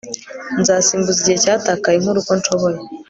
nzasimbuza igihe cyatakaye nkora uko nshoboye